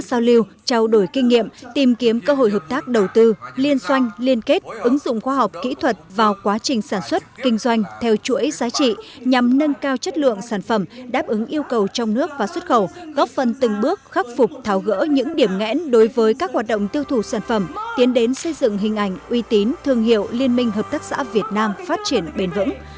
giao lưu trao đổi kinh nghiệm tìm kiếm cơ hội hợp tác đầu tư liên doanh liên kết ứng dụng khoa học kỹ thuật vào quá trình sản xuất kinh doanh theo chuỗi giá trị nhằm nâng cao chất lượng sản phẩm đáp ứng yêu cầu trong nước và xuất khẩu góp phần từng bước khắc phục thảo gỡ những điểm ngẽn đối với các hoạt động tiêu thụ sản phẩm tiến đến xây dựng hình ảnh uy tín thương hiệu liên minh hợp tác xã việt nam phát triển bền vững